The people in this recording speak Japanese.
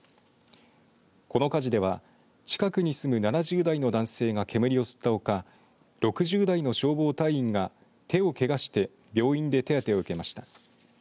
この火事では近くに住む７０代の男性が煙を吸ったほか６０代の消防隊員が手をけがして病院で手当てを受けました。